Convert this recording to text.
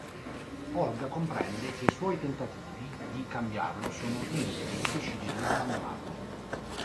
Olga comprende che i suoi tentativi di cambiarlo sono inutili e decide di abbandonarlo.